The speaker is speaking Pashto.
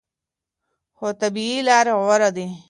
خو طبیعي لارې غوره دي.